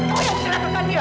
kau yang serahkan dia